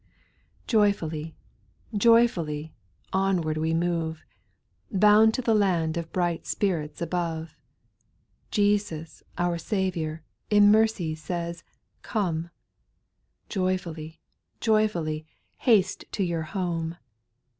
TOYFULLY, joyfully, onwara we move, V Bound to the land of bright spirits above ; Jesus, our Saviour, in mercy says, " Come," Joyfully, joyfully, baste to your home.